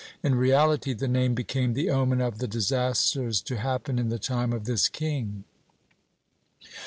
In reality the name became the omen of the disasters to happen in the time of this king.